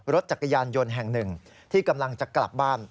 รถจักรยานยนต์แห่งหนึ่งที่กำลังจะกลับบ้าน